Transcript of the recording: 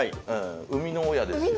生みの親です。